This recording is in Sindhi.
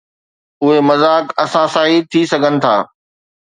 اهي مذاق اسان سان ئي ٿي سگهن ٿا.